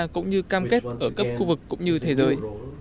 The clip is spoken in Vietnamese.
cũng như cam kết ở các khu vực cũng như thế rồi